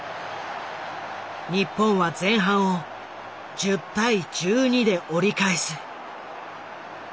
日本は前半を１０対１２で折り返す。